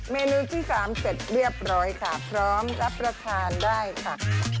เมนูที่๓เสร็จเรียบร้อยค่ะพร้อมรับประทานได้ค่ะ